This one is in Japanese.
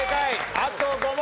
あと５問。